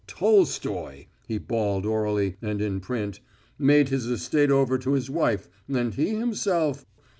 "Tolstoy" he bawled orally, and in print "made his estate over to his wife, and he himself....